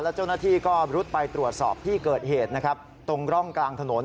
เจ้าหน้าที่ก็รุดไปตรวจสอบที่เกิดเหตุนะครับตรงร่องกลางถนน